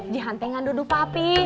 jihang teh nggak duduh papi